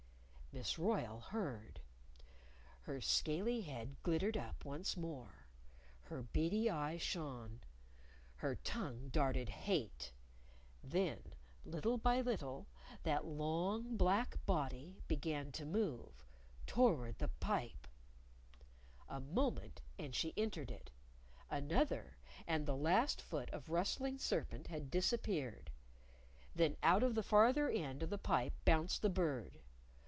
Miss Royle heard. Her scaly head glittered up once more. Her beady eyes shone. Her tongue darted hate. Then little by little, that long black body began to move toward the pipe! A moment, and she entered it; another, and the last foot of rustling serpent had disappeared. Then out of the farther end of the pipe bounced the Bird.